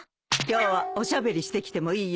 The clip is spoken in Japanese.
今日はおしゃべりしてきてもいいよ。